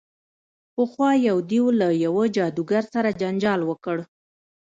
پخوا یو دیو له یوه جادوګر سره جنجال وکړ.